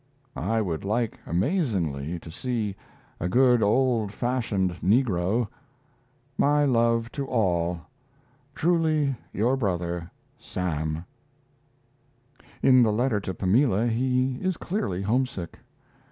I would like amazingly to see a good old fashioned negro. My love to all. Truly your brother, SAM In the letter to Pamela he is clearly homesick.